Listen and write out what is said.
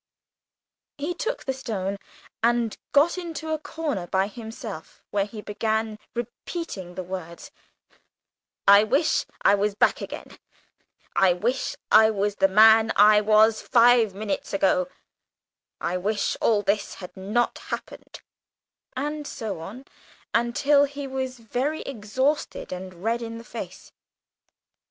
He took the stone, and got into a corner by himself where he began repeating the words, "I wish I was back again," "I wish I was the man I was five minutes ago," "I wish all this had not happened," and so on, until he was very exhausted and red in the face.